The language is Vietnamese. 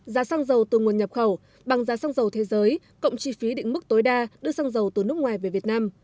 giá xăng dầu từ nguồn nhập khẩu bằng giá xăng dầu thế giới cộng chi phí định mức tối đa đưa xăng dầu từ nước ngoài về việt nam